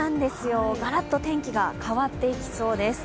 ガラッと天気が変わっていきそうです。